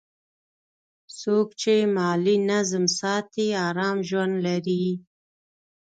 څوک چې مالي نظم ساتي، آرام ژوند لري.